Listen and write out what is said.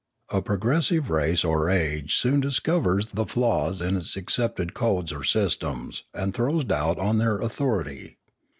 A progressive race or age soon dis covers the flaws in its accepted codes or systems and throws doubt on their authority.